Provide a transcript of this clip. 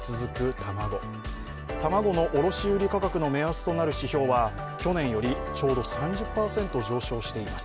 卵の卸売価格の目安となる指標は去年よりちょうど３０％上昇しています。